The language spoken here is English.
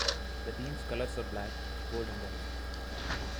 The team's colors were black, gold and white.